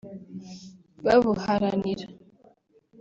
babuharanira